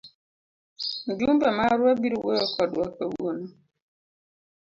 Mjumbe marwa biro wuoyo kodwa kawuono.